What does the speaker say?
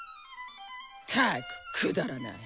ったくくだらない！